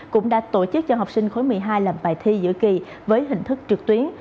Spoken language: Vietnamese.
cũng đã tổ chức cho học sinh khối một mươi hai làm bài thi giữa kỳ môn toán lý hóa với hình thức là trực tuyến